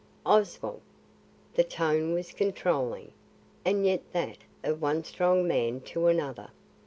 "Oswald!" The tone was controlling, and yet that of one strong man to another.